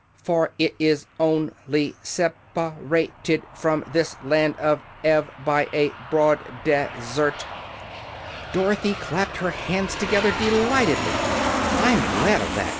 "For it is on ly sep a ra ted from this Land of Ev by a broad des ert." Dorothy clapped her hands together delightedly. "I'm glad of that!"